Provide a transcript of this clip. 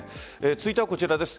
続いてはこちらです。